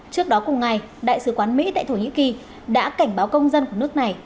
trước đó cùng ngày đại sứ quán mỹ tại thổ nhĩ kỳ đã cảnh báo công dân của nước này